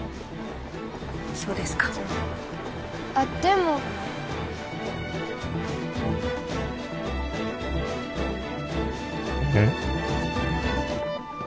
そうですかあっでもうん？